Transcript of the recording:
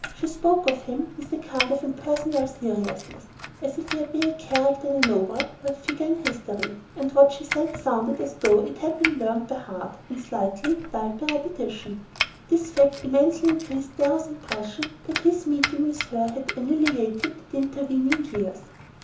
She spoke of him with a kind of impersonal seriousness, as if he had been a character in a novel or a figure in history; and what she said sounded as though it had been learned by heart and slightly dulled by repetition. This fact immensely increased Darrow's impression that his meeting with her had annihilated the intervening years.